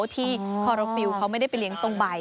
ที่คอโรฟิลเขาไม่ได้ไปเลี้ยงตรงใบ